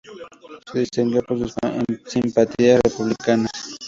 Se distinguió por sus simpatías republicanas.